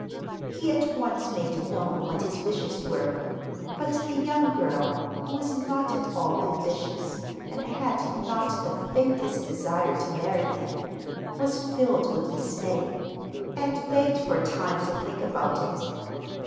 He at once made known what his wishes were, but the young girl, who was not at all ambitious, and had not the faintest desire to marry him, was filled with dismay, and begged for time to think about it.